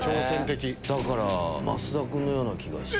だから増田君の気がして。